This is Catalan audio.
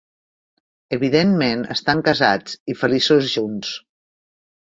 Evidentment estan casats i feliços junts.